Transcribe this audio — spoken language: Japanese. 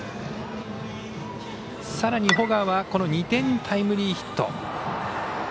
さらに保川は２点タイムリーヒット。